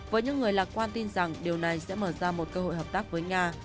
với những người lạc quan tin rằng điều này sẽ mở ra một cơ hội hợp tác với nga